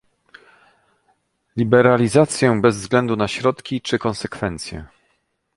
liberalizację bez względu na środki czy konsekwencje